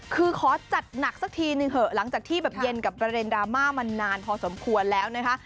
คือขอจัดหนักสักทีหนึ่งเถอะหลังจากที่แบบเย็นกับประเด็นดราม่ามานานพอสมควรแล้วนะคะ